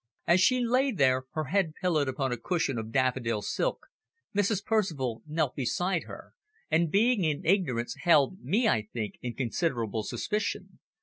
As she lay, her head pillowed upon a cushion of daffodil silk, Mrs. Percival knelt beside her, and, being in ignorance, held me, I think, in considerable suspicion.